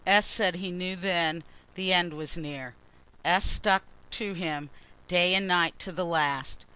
S. said he knew then the end was near. (S. stuck to him day and night to the last.)